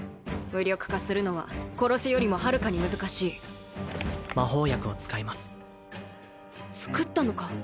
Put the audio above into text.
無力化するのは殺すよりもはるかに難しい魔法薬を使います作ったのか？